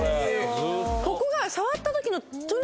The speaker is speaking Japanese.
ここが。